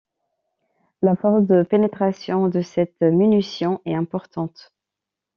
La force de pénétration de cette munition est importante.